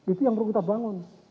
itu yang perlu kita bangun